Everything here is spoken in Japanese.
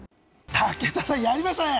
武田さん、やりましたね！